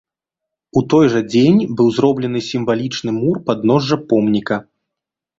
У той жа дзень быў зроблены сімвалічны мур падножжа помніка.